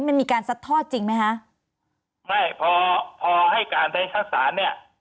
มันมีการซัดทอดจริงไหมคะไม่พอพอให้การในชั้นศาลเนี้ย